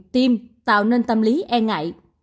tiêm tạo nên tâm lý e ngại